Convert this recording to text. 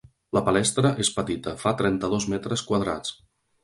La palestra és petita, fa trenta-dos metres quadrats.